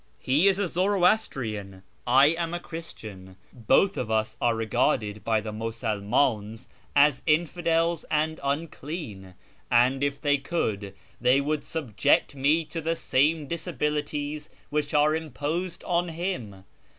He is a Zoroastrian, I am a Christian ; YEZD 413 both of us are regarded by tlie Musulmans as infidels and unclean, and, if tliey could, they would subject me to the same disabilities which are imposed on him.